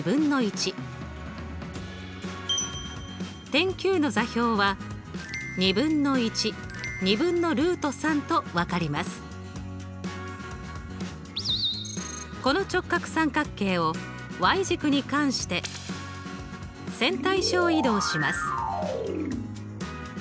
点Ｑの座標はこの直角三角形を軸に関して線対称移動します。